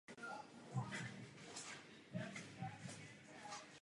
Operovaly v Baltském moři.